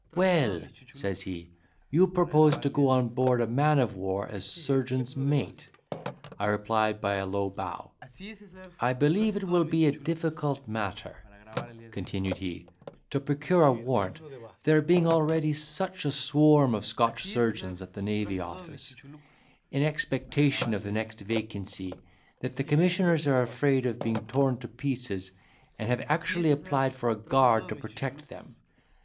"Well," says he, "you propose to go on board a man of war as surgeon's mate." I replied by a low bow. "I believe it will be a difficult matter," continued he, "to procure a warrant, there being already such a swarm of Scotch surgeons at the Navy Office, in expectation of the next vacancy, that the commissioners are afraid of being torn to pieces, and have actually applied for a guard to protect them.